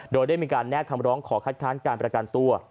โดยได้มีการแนบคำร้องขอคัดค้านการประกันตัว